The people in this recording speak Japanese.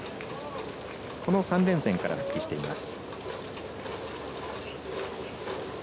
この３連戦から復帰しています。